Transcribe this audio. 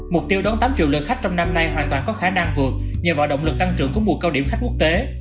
mục tiêu đón tám triệu lượt khách trong năm nay hoàn toàn có khả năng vượt nhờ vào động lực tăng trưởng của mùa cao điểm khách quốc tế